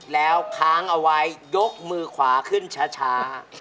แล้วค้างเอาไว้ยกมือขวาขึ้นช้า